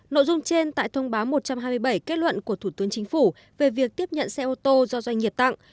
nội dung trên tại thông báo một trăm hai mươi bảy kết luận của thủ tướng chính phủ về việc tiếp nhận xe ô tô do doanh nghiệp tặng